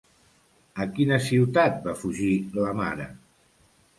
A quina ciutat va fugir la mare?